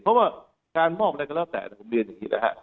เพราะว่าการมอบอะไรก็แล้วแต่นะครับผมเรียนอย่างนี้แหละครับ